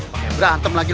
pakai berantem lagi lo